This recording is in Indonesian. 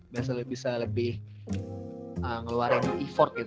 biasanya bisa lebih ngeluarin effort gitu